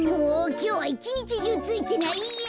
きょうはいちにちじゅうついてないや。